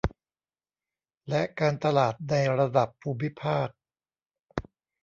และการตลาดในระดับภูมิภาค